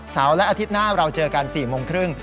และอาทิตย์หน้าเราเจอกัน๔โมงครึ่ง